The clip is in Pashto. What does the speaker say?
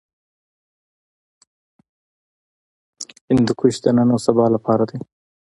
هندوکش د نن او سبا لپاره دی.